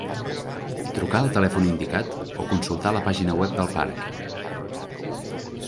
Trucar al telèfon indicat o consultar la pàgina web del parc.